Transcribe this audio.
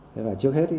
trước hết thì